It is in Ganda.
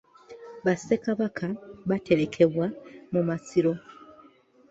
Bassekabaka baterekebwa mu masiro.